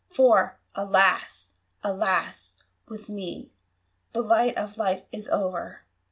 For, alas! alas! with me The light of Life is o'er!